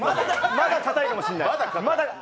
まだかたいかもしれない。